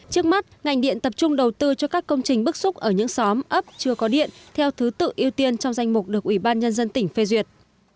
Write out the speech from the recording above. trước mắt ngành điện tập trung đầu tư cho các công trình bức xúc ở những xóm ấp chưa có điện theo thứ tự ưu tiên trong danh mục được ủy ban nhân dân tỉnh phê duyệt